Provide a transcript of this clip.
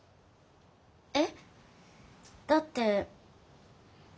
えっ？だって。